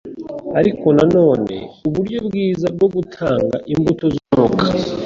ariko na none uburyo bwiza bwo gutanga imbuto z'Umwuka.